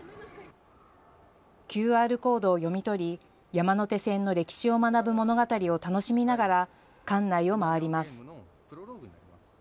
ＱＲコードを読み取り、山手線の歴史を学ぶ物語を楽しみながら館内を回ります。